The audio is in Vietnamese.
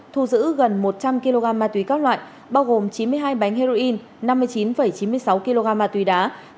thu giữ gần một trăm linh kg ma túy các loại bao gồm chín mươi hai bánh heroin năm mươi chín chín mươi sáu kg ma túy đá